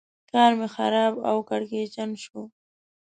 کار مې خراب او کړکېچن شو.